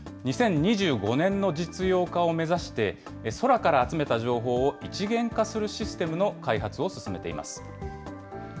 ２０２５年の実用化を目指して、空から集めた情報を一元化するシステムの開発を進めています。